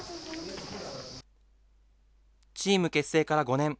チーム結成から５年。